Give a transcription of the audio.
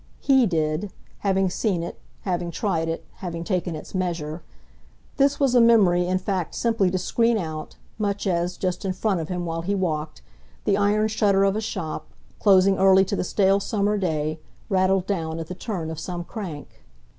HE did having seen it, having tried it, having taken its measure. This was a memory in fact simply to screen out much as, just in front of him while he walked, the iron shutter of a shop, closing early to the stale summer day, rattled down at the turn of some crank.